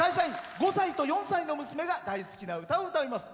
５歳と４歳の娘が大好きな歌を歌います。